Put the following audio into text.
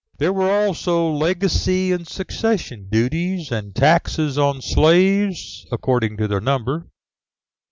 There were also legacy and succession duties, and taxes on slaves, according to their number.